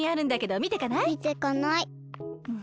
みてかない。